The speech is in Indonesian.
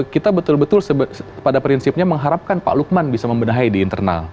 kita betul betul pada prinsipnya mengharapkan pak lukman bisa membenahi di internal